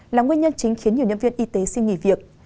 là nguyên nhân chính khiến nhiều nhân viên y tế xin nghỉ việc